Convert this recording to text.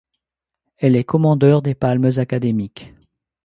Elle est commandeur des Palmes académiques.